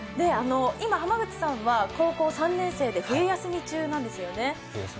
今、濱口さんは高校３年生で冬休み中なんですよね。